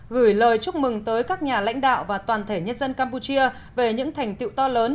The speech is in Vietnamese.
gửi lời chúc mừng tới các nhà lãnh đạo và toàn thể nhân dân campuchia về những thành tiệu to lớn